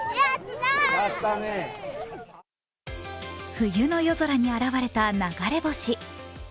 冬の夜空に現れた流れ星。